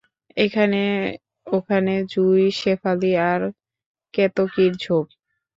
এখানে ওখানে জুঁই, শেফালি আর কেতকীর ঝোপ।